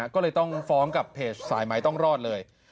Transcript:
ก็เลยต้องฟ้องกับเพจสายไม้ต้องรอดเลย